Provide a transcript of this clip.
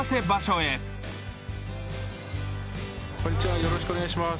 よろしくお願いします。